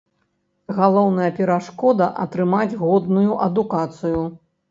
Галоўная перашкода атрымаць годную адукацыю.